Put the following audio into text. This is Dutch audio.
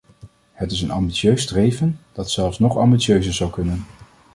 Het is een ambitieus streven, dat zelfs nog ambitieuzer zou kunnen.